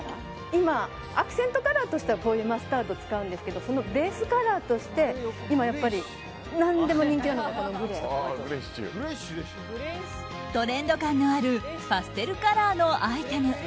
今、アクセントカラーとしてこういうマスタードを使うんですけどそのベースカラーとして今、何でも人気なのがトレンド感のあるパステルカラーのアイテム。